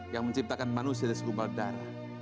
yang menciptakan manusia dari segumbal darah